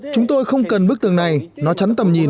chúng tôi không cần bức tường này nó chắn tầm nhìn